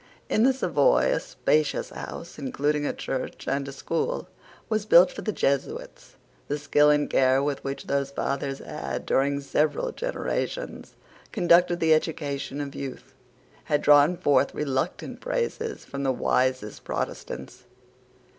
In the Savoy a spacious house, including a church and a school, was built for the Jesuits. The skill and care with which those fathers had, during several generations, conducted the education of youth, had drawn forth reluctant praises from the wisest Protestants.